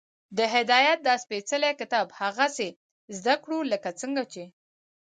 د هدایت دا سپېڅلی کتاب هغسې زده کړو، لکه څنګه چې